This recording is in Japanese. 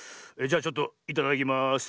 じゃちょっといただきます。